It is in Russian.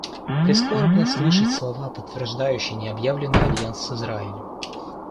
Прискорбно слышать слова, подтверждающие необъявленный альянс с Израилем.